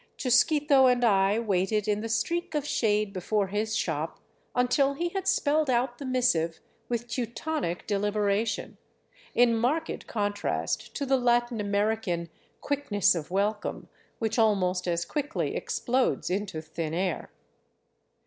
Chusquito and I waited in the streak of shade before his shop until he had spelled out the missive with Teu tonic deliberation, in marked contrast to the Latin American quick ness of welcome, which almost as quickly explodes into thin air.